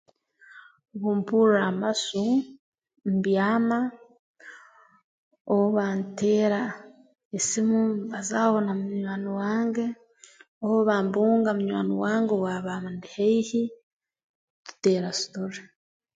Obu mpurra amasu mbyama oba nteera esimu mbazaaho na munywani wange oba mbunga munywani wange obu aba andi haihi tuteera storre